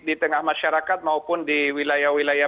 di tengah masyarakat maupun di wilayah wilayah